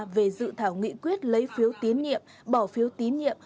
về dự thảo nghị quyết lấy phiếu tín nhiệm bỏ phiếu tín nhiệm